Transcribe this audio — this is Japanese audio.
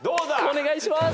お願いします！